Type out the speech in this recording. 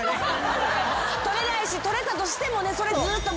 とれないしとれたとしてもそれずっと持って。